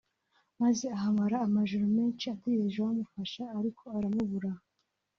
maze ahamara amajoro menshi ategereje uwamufasha ariko aramubura